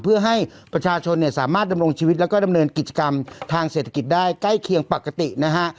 เพื่อให้ประชาชนเนี่ยสามารถดำรงชีวิตแล้วก็ดำเนินกิจกรรมทางเศรษฐกิจได้ใกล้เคียงปกตินะฮะ